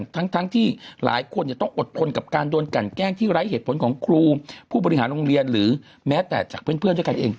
ทั้งที่หลายคนต้องอดทนกับการโดนกันแกล้งที่ไร้เหตุผลของครูผู้บริหารโรงเรียนหรือแม้แต่จากเพื่อนด้วยกันเอง